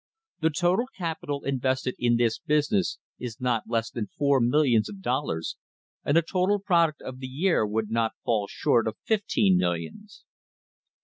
The total capital nvested in this business is not less than four millions of lollars and the total product of the year would not fall short if fifteen millions."